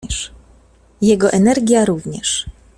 Jego energia również.